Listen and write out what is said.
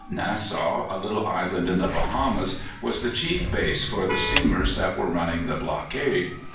Nassau, a little island in the Bahamas, was the chief base for the steamers that were running the blockade.